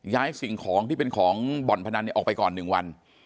สิ่งของที่เป็นของบ่อนพนันออกไปก่อน๑วัน